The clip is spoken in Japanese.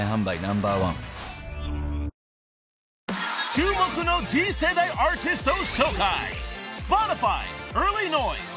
［注目の次世代アーティストを紹介］